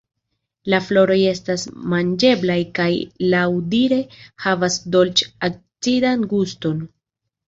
La floroj estas manĝeblaj kaj laŭdire havas dolĉ-acidan guston.